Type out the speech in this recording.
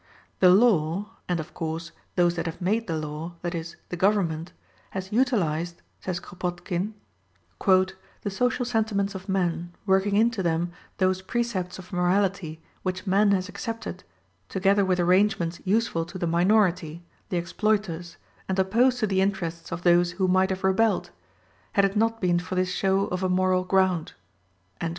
"The law" (and, of course, those that have made the law, that is, the government) "has utilized," says Kropotkin, "the social sentiments of man, working into them those precepts of morality, which man has accepted, together with arrangements useful to the minority the exploiters and opposed to the interests of those who might have rebelled, had it not been for this show of a moral ground."